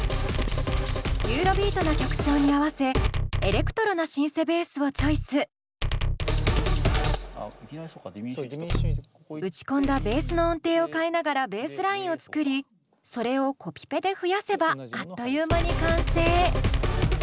ユーロビートな曲調に合わせ打ち込んだベースの音程を変えながらベースラインを作りそれをコピペで増やせばあっという間に完成。